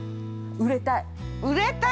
◆売れたい！